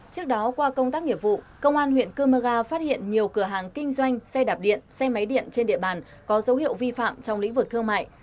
trước đó qua công tác nghiệp vụ công an huyện cơ mơ ga phát hiện nhiều cửa hàng kinh doanh xe đạp điện xe máy điện trên địa bàn có dấu hiệu vi phạm trong lĩnh vực thương mại